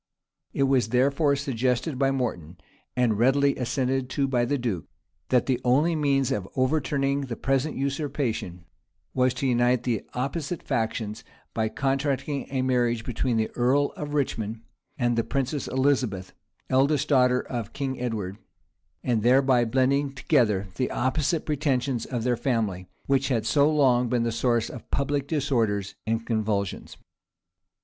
It was therefore suggested by Morton, and readily assented to by the duke, that the only means of overturning the present usurpation, was to unite the opposite factions, by contracting a marriage between the earl of Richmond and the princess Elizabeth, eldest daughter of King Edward, and thereby blending together the opposite pretensions of their families, which had so long been the source of public disorders and convulsions.